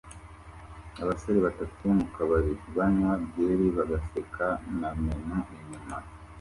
Abasore batatu mukabari banywa byeri bagaseka na menu inyuma